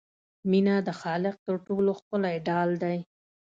مینه د خالق تر ټولو ښکلی ډال دی.